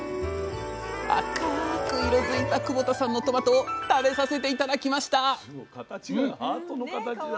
赤く色づいた窪田さんのトマトを食べさせて頂きました！